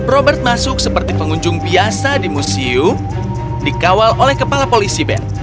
robert masuk seperti pengunjung biasa di museum dikawal oleh kepala polisi ben